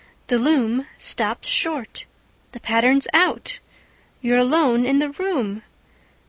The loom stops short! The pattern's out You're alone in the room!